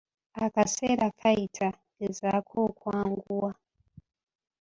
Akaseera kayita, gezaako okwanguwa.